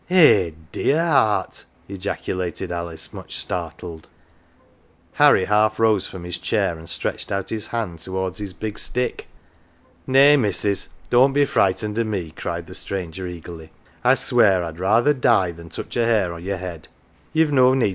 "Eh, dear heart!" ejaculated Alice, much startled. Harry half rose from his chair, and stretched out his hand towards his big stick. " Nay, missus, don't be frightened o' me," cried the stranger eagerly. " I swear I'd rather die than touch a hair o' your head. You've no need.